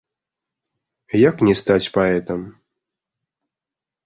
Як не стаць паэтам?!